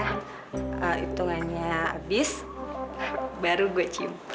hitungannya habis baru gue cium